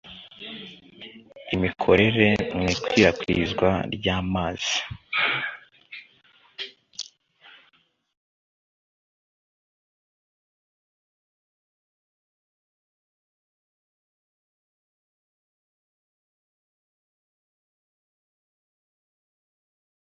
imikorere mu ikwirakwizwa ry amazi